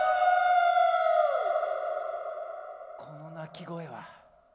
この鳴き声は。